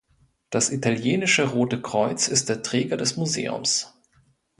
Das Italienische Rote Kreuz ist der Träger des Museums.